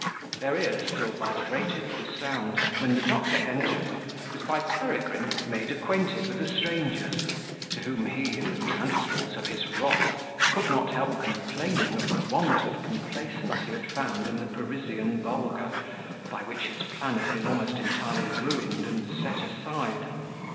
Their ears still vibrated with the sound, when the doctor entering, was by Peregrine made acquainted with the strangers, to whom he, in the transports of his wrath, could not help complaining of the want of complaisance he had found in the Parisian vulgar, by which his plan had been almost entirely ruined and set aside.